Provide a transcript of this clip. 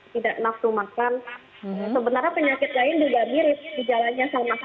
tidak enak untuk makan